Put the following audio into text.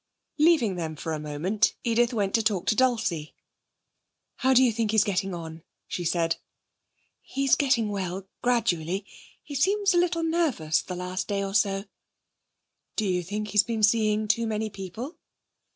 Leaving them for a moment, Edith went to talk to Dulcie. 'How do you think he's getting on?' she said. 'He's getting well; gradually. He seems a little nervous the last day or so.' 'Do you think he's been seeing too many people?'